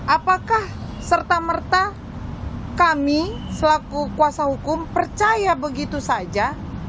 apakah serta merta kami selaku kuasa hukum percaya begitu saja